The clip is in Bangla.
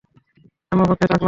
আমি অপেক্ষায় থাকলাম!